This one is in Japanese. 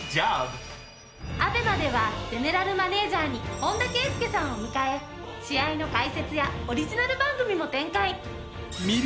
ＡＢＥＭＡではゼネラルマネージャーに本田圭佑さんを迎え試合の解説やオリジナル番組も展開。